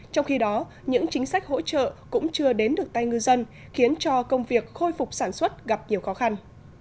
trong khi đó những chính sách hỗ trợ cũng chưa đến được tay ngư dân khiến cho công việc khôi phục sản xuất gặp nhiều khó khăn